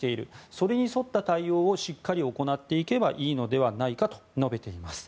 それに沿った対応をしっかり行っていけばいいのではないかと述べています。